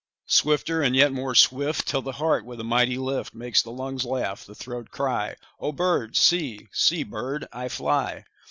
Swifter and yet more swift, 5 Till the heart with a mighty lift Makes the lungs laugh, the throat cry:— 'O bird, see; see, bird, I fly.